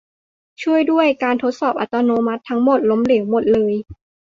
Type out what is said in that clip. ช่วยด้วย การทดสอบอัตโนมัติทั้งหมดล้มเหลวหมดเลย